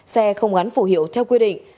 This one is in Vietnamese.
xe không gắn phụ hiệu theo quy định